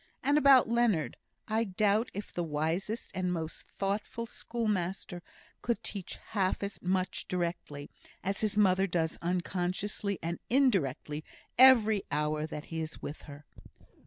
And about Leonard; I doubt if the wisest and most thoughtful schoolmaster could teach half as much directly, as his mother does unconsciously and indirectly every hour that he is with her.